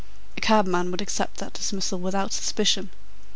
A cabman would accept that dismissal without suspicion.